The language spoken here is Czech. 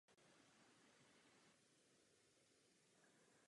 Katastrální území Sedlec u Kutné Hory není zcela shodné s místní částí Sedlec.